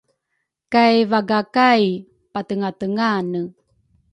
Kay vaga kay patengatengane